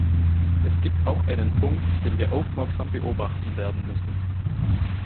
Es gibt auch einen Punkt, den wir aufmerksam beobachten werden müssen.